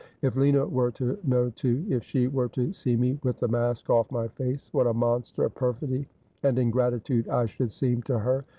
' If Lina were to know too ? If she were to see me with the mask off my face, what a monster of perfidy and ingratitude I should seem to her